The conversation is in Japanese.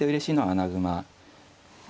穴熊。